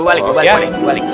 balik balik balik